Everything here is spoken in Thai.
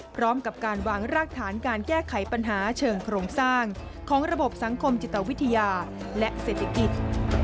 พร้อมกับการวางรากฐานการแก้ไขปัญหาเชิงโครงสร้างของระบบสังคมจิตวิทยาและเศรษฐกิจ